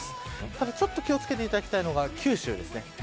ただちょっと気を付けていただきたいのが九州です。